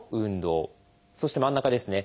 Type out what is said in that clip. そして真ん中ですね。